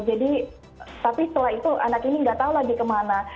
jadi tapi setelah itu anak ini nggak tahu lagi ke mana